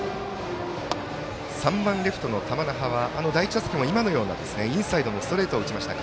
３番、レフトの玉那覇は第１打席はインサイドのストレートを打ちました。